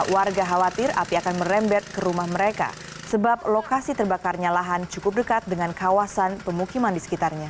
warga khawatir api akan merembet ke rumah mereka sebab lokasi terbakarnya lahan cukup dekat dengan kawasan pemukiman di sekitarnya